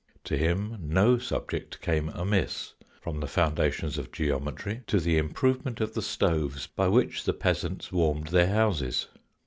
To him no subject came amiss, from the foundations of geometry to the improvement of the stoves by which the peasants warmed their houses.